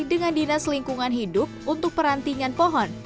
dengan dinas lingkungan hidup untuk perantingan pohon